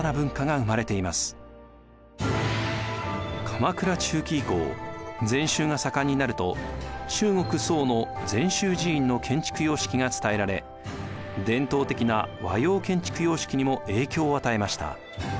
鎌倉中期以降禅宗が盛んになると中国・宋の禅宗寺院の建築様式が伝えられ伝統的な和様建築様式にも影響を与えました。